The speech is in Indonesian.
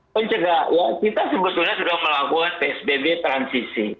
kita sebetulnya sudah melakukan psbb transisi